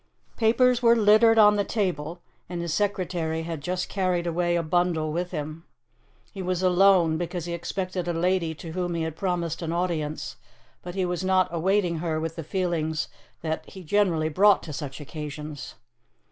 Papers were littered on the table, and his secretary had just carried away a bundle with him. He was alone, because he expected a lady to whom he had promised an audience, but he was not awaiting her with the feelings that he generally brought to such occasions.